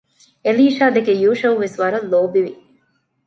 އެލީޝާދެކެ ޔޫޝައުވެސް ވަރަށް ލޯބިވި